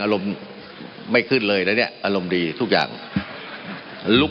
มันมีมาต่อเนื่องมีเหตุการณ์ที่ไม่เคยเกิดขึ้น